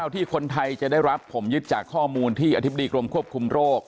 ที่คนไทยจะได้รับผมยึดจากข้อมูลที่อธิบดีกรมควบคุมโรค